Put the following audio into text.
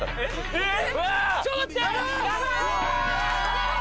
えっ？